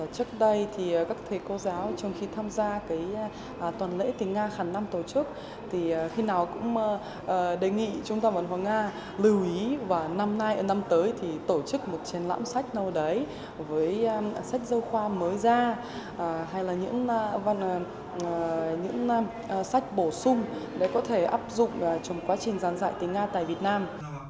trước đây các thầy cô giáo trong khi tham gia tuần lễ tiếng nga khẳng năm tổ chức khi nào cũng đề nghị trung tâm và văn hóa nga lưu ý và năm tới tổ chức một truyền lãm sách nâu đấy với sách dâu khoa mới ra hay là những sách bổ sung để có thể áp dụng trong quá trình giảng dạy tiếng nga tại việt nam